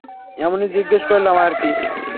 এমনিই জিজ্ঞেস করলাম আর কী।